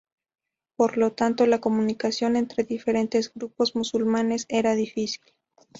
Por lo tanto, la comunicación entre diferentes grupos musulmanes era difícil.